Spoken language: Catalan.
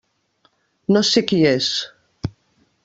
No sé qui és.